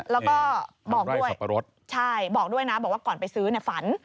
แล้วก็บอกด้วยนะบอกว่าก่อนไปซื้อฝัน